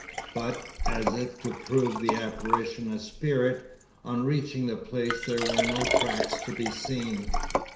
But, as if to prove the apparition a spirit, on reaching the place there were no tracks to be seen!